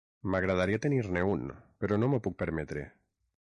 M'agradaria tenir-ne un, però no m'ho puc permetre.